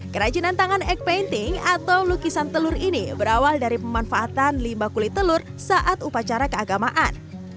kerajinan tangan eg painting atau lukisan telur ini berawal dari pemanfaatan limba kulit telur saat upacara keagamaan